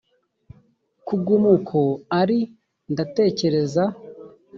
kuguma uko ari ndatekereza